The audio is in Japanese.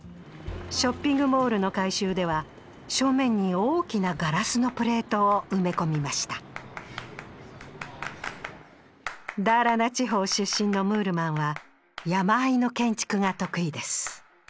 ショッピングモールの改修では正面に大きなガラスのプレートを埋め込みましたダーラナ地方出身のムールマンは山あいの建築が得意です。